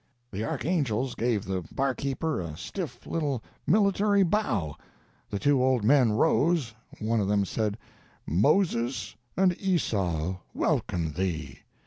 The archangels gave the barkeeper a stiff little military bow; the two old men rose; one of them said, "Moses and Esau welcome thee!"